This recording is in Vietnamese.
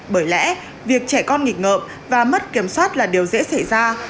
bởi lẽ việc trẻ con nghịch ngợm và mất kiểm soát là điều dễ xảy ra